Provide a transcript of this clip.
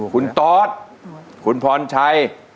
คุณตอธคุณพ่อชาย